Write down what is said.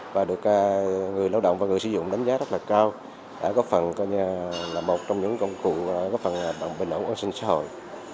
và được người lao động và người sử dụng đánh giá rất là cao đã góp phần là một trong những công cụ góp phần bình ẩn của an sinh xã hội